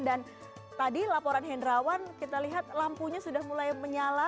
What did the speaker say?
dan tadi laporan hendrawan kita lihat lampunya sudah mulai menyala